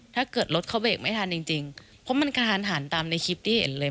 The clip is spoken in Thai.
ถ้าเกิดรถเขาเบรกไม่ทันจริงเพราะมันกระทันหันตามในคลิปที่เห็นเลย